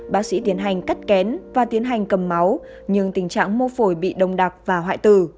bác sĩ tiến hành cắt kén và tiến hành cầm máu nhưng tình trạng mô phổi bị đồng đặc và hoại tử